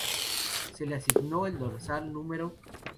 Se le asignó el dorsal No.